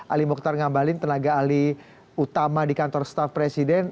ali mokhtar ngabalin tenaga ali utama di kantor staff presiden